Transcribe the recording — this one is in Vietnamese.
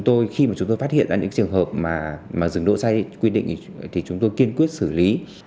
và khi chúng tôi phát hiện những trường hợp dừng đỗ sai quy định thì chúng tôi kiên quyết xử lý